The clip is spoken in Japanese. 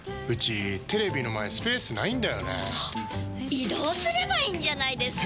移動すればいいんじゃないですか？